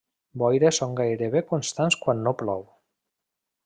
Boires són gairebé constants quan no plou.